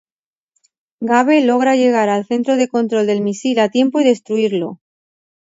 Gabe logra llegar al centro de control del misil a tiempo y destruirlo.